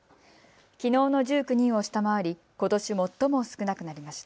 きのうの１９人を下回りことし最も少なくなりました。